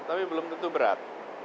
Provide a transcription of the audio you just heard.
tapi belum tentu berat